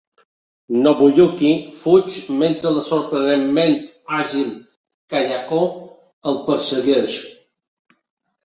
Nobuyuki fuig mentre la sorprenentment àgil Kayako el persegueix.